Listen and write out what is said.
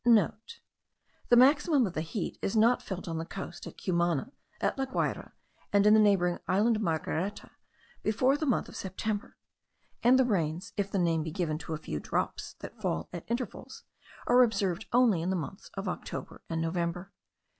*(* The maximum of the heat is not felt on the coast, at Cumana, at La Guayra, and in the neighbouring island of Margareta, before the month of September; and the rains, if the name can be given to a few drops that fall at intervals, are observed only in the months of October and November.)